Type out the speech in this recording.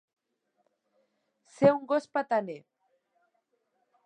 Ser un gos petaner.